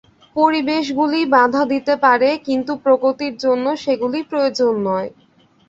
পরিবেশগুলি বাধা দিতে পারে, কিন্তু প্রগতির জন্য সেগুলি প্রয়োজন নয়।